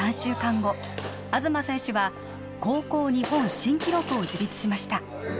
後東選手は高校日本新記録を樹立しました